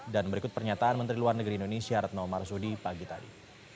dan berikut pernyataan menteri luar negeri indonesia ratno marsudi pagi tadi